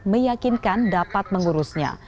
meyakinkan dapat mengurusnya